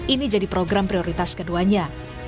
ini jadi program prioritas keduanya